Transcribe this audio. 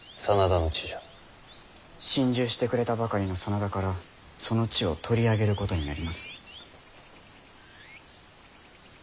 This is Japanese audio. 臣従してくれたばかりの真田からその地を取り上げることになります。